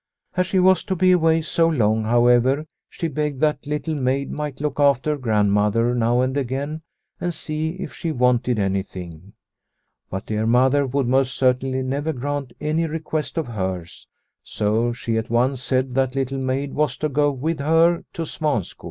As she was to be away so long, however, she begged that Little Maid might look after Grand mother now and again and see if she wanted anything. But dear Mother would most certainly never grant any request of hers, so she at once said that Little Maid was to go with her to Svanskog.